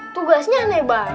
tugasnya aneh banget